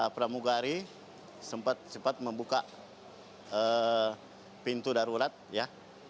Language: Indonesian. pada pramugari sempat sempat membuka pintu darurat ya